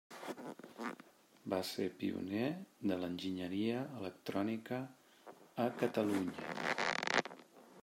Va ser pioner de l'enginyeria electrònica a Catalunya.